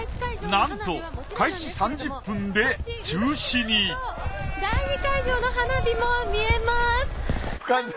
なんと開始３０分で中止に第２会場の花火も見えます。